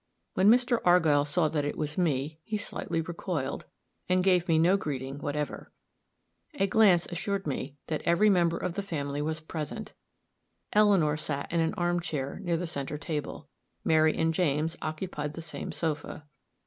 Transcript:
When Mr. Argyll saw that it was me, he slightly recoiled, and gave me no greeting whatever. A glance assured me that every member of the family was present. Eleanor sat in an arm chair near the center table; Mary and James occupied the same sofa.